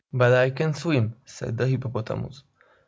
"But I can swim!" said the Hippopotamus.